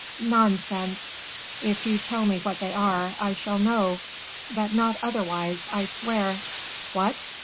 "Nonsense." "If you tell me what they are, I shall know, but not otherwise, I swear." "What!